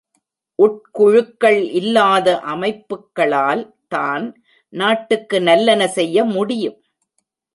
உட்குழுக்கள் இல்லாத அமைப்புக்களால் தான், நாட்டுக்கு நல்லன செய்யமுடியும்.